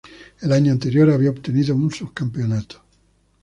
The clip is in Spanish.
El año anterior había obtenido el subcampeonato.